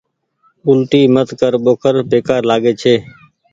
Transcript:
اولٽي مت ڪر ٻوکر بيڪآر لآڳي ڇي